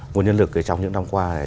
nguồn nhân lực trong những năm qua này